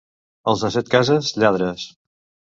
Els de Setcases, lladres.